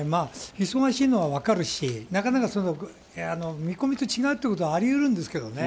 忙しいのは分かるし、なかなか見込みと違うということはありうるんですけどね。